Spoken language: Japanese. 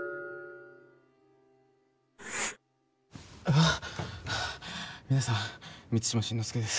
はぁっはあ皆さん満島真之介です。